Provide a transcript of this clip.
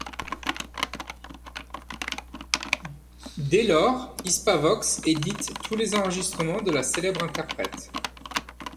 Dès lors Hispavox édite tous les enregistrements de la célèbre interprète.